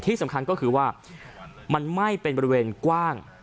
ที่สำคัญก็คือว่ามันไหม้เป็นบริเวณกว้าง